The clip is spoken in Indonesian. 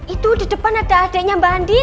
itu di depan ada adeknya mbak andin